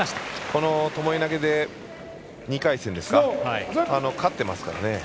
このともえ投げで２回戦勝ってますからね。